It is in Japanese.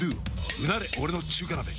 うなれ俺の中華鍋！